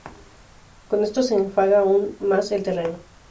con esto se enfanga aún más el terreno